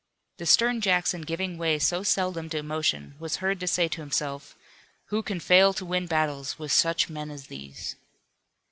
The stern Jackson giving way so seldom to emotion was heard to say to himself: "Who can fail to win battles with such men as these?"